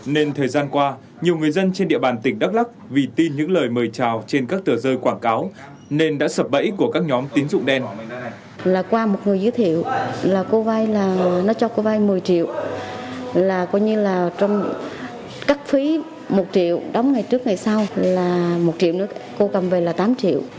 nên thời gian qua nhiều người dân trên địa bàn tỉnh đắk lắc vì tin những lời mời chào trên các tờ rơi quảng cáo nên đã sập bẫy của các nhóm tín dụng đen